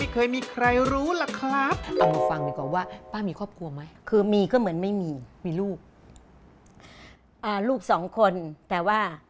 กลัวไหมคือมีก็เหมือนไม่มีมีลูกอ่าลูกสองคนแต่ว่า